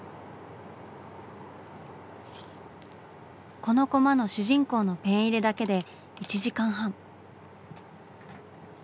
このコマの主人公のペン入れだけで１時間半。